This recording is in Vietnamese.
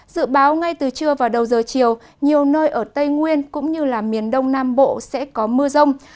dự báo ngay từ trưa và đầu giờ chiều nhiều nơi ở tây nguyên cũng như miền đông nam bộ sẽ có mưa rông